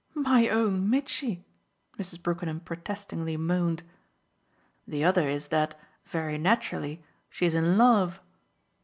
"My own Mitchy!" Mrs. Brookenham protestingly moaned. "The other is that very naturally she's in love."